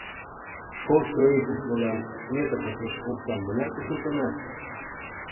Школ строительствылан смета почеш оксам мыняр кучылтынат?